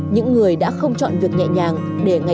những người đã không chọn việc nhẹ nhàng